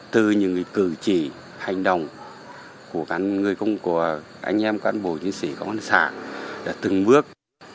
từ những người cử chỉ hành động của các người của anh em các bộ những sĩ các bản sản đã từng bước